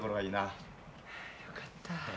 よかった。